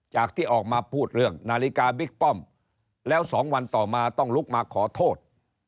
ที่ออกมาพูดเรื่องนาฬิกาบิ๊กป้อมแล้ว๒วันต่อมาต้องลุกมาขอโทษ